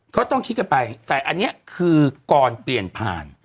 ก็ต้องคิดกันไปแต่อันนี้คือก่อนเปลี่ยนผ่าน